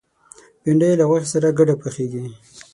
بېنډۍ له غوښې سره ګډه پخېږي